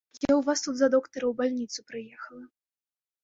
Я ў вас тут за доктара ў больніцу прыехала.